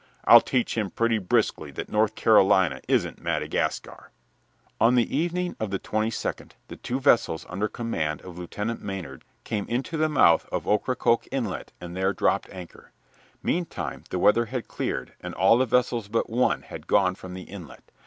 I'd teach him pretty briskly that North Carolina isn't Madagascar." On the evening of the twenty second the two vessels under command of Lieutenant Maynard came into the mouth of Ocracoke Inlet and there dropped anchor. Meantime the weather had cleared, and all the vessels but one had gone from the inlet.